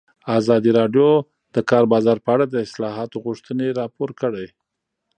ازادي راډیو د د کار بازار په اړه د اصلاحاتو غوښتنې راپور کړې.